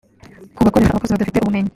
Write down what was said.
Ku bakoresha abakozi badafite ubumenyi